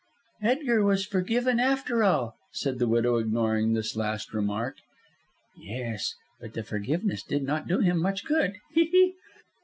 "Edgar was forgiven after all," said the widow, ignoring this last remark. "Yes, but the forgiveness did not do him much good. He! he!"